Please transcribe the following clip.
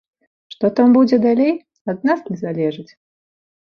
Што там будзе далей, ад нас не залежыць.